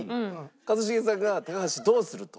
一茂さんが「高橋どうする？」と。